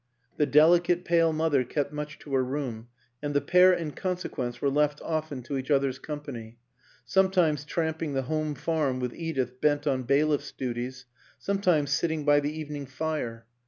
The delicate, pale mother kept much to her room, and the pair, in consequence, were left often to each other's com pany sometimes tramping the home farm with Edith bent on bailiff's duties, sometimes sitting by the evening fire.